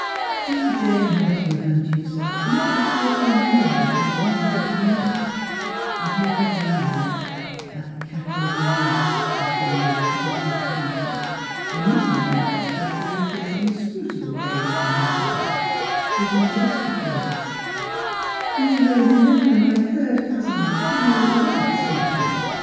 Mr. J. Mortimer Van Duser never ap peared to remember her from one visit to the next, and merely growled (like a cat over a mouse, Miss Philura could not help thinking) when Mrs. Van Duser drew his Miss Fhilura's Wedding Gozvn inscrutable gaze upon herself, with the majestic words: " You will remember my third cousin, Philura Rice, Mortimer?